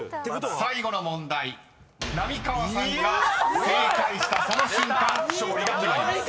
［最後の問題浪川さんが正解したその瞬間勝利が決まります］